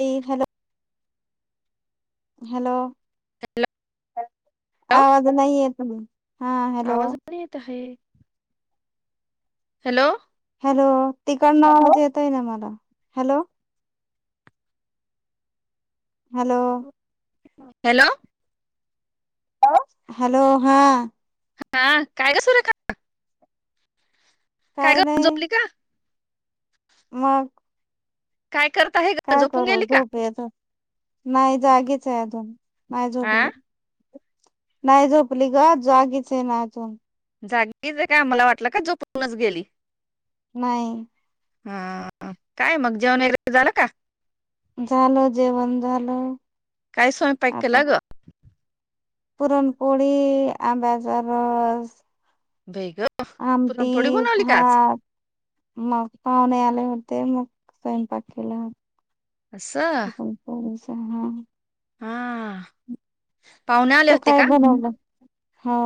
ते, hello hello hello आवाज नाही येत हॅलो हा आवाज [unintelligible] येत आहे हॅलो हॅलो तिकडण आवाज येतोय ना मला. हॅलो हॅलो हॅलो [inaudible] हॅलो हा हा काय ग सुरेखा काय काही ग नाही झोपली का मग काय करत आहे ग काय झोपून करू गेली का झोप येत नाही जागीच आहे अजून, नाही हा झोपली. नाही झोपली ग जागीच आहे ना अजून जागीच काय आम्हाला वाटलं का जोपूणच गेली. नाही हा काय मग जेवण [inaudible] झालं का झाल जेवण झालं काय सय पाक केला गं परणपोळी आंबा्याजरस बेग आमटी हा मग पाहुणे आले होते मग स्वयंपाकी केला. असं णप हा पाहुणे आले होते का. हा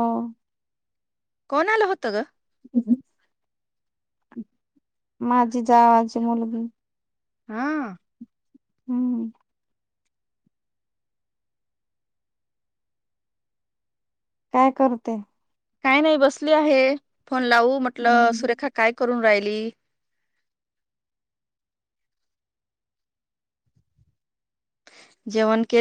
कोण आलं होतं ग. माझी जावाजे मुलगी हा हम्म काय करते. काय नाही बसली आहे. फोन लावू म्हटलं हम्म सुरेखा काय करून राहील. बली जेवण केल.